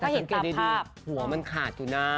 แต่สังเกตดีหัวมันขาดอยู่หน้า